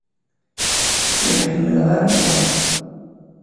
Ur ḥemmleɣ ara anẓar.